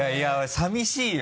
さみしいよ